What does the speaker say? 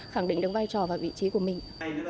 khẳng định được vai trò và vị trí của mình